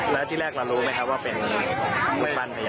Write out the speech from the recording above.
แล้วที่แรกเรารู้ไหมครับว่าเป็นยกมือ๘๓ปี